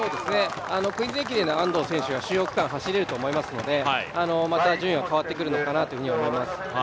クイーンズ駅伝で安藤選手が主要区間走れると思いますので、また順位は変わってくるのかなと思います。